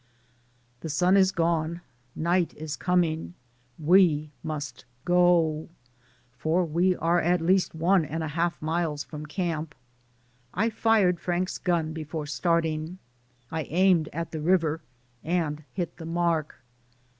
The sun is gone, night is coming; we must go, for we are at least one and a half miles from camp. I fired Frank's gun before start ing; I aimed at the river, and hit the mark.